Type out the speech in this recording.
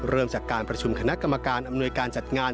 เริ่มจากการประชุมคณะกรรมการอำนวยการจัดงาน